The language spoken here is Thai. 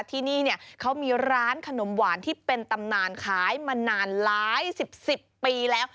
ที่นี่เนี่ยเขามีร้านขนมหวานที่เป็นตำนานขายมานานหลายสิบปีแล้ว